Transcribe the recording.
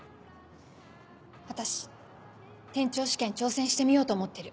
私店長試験挑戦してみようと思ってる。